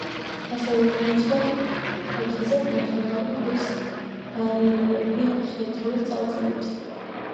ასევე აღმოჩნდა ფაქიზად ნახელავი ქვის ბარელიეფი მხედრული წარწერით.